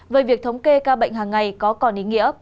về việc thống kê ca bệnh hàng ngày có còn ý nghĩa